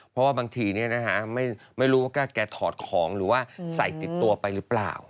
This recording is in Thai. เพราะว่าบางทีไม่รู้ว่าแกถอดของหรือว่าใส่ติดตัวไปหรือเปล่า